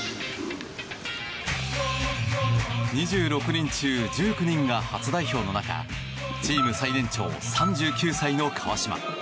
２６人中１９人が初代表の中チーム最年長、３９歳の川島。